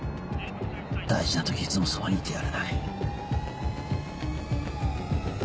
大事な時いつもそばにいてやれない。